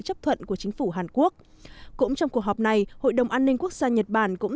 chấp thuận của chính phủ hàn quốc cũng trong cuộc họp này hội đồng an ninh quốc gia nhật bản cũng